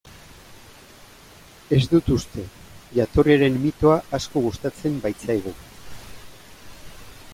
Ez dut uste, jatorriaren mitoa asko gustatzen baitzaigu.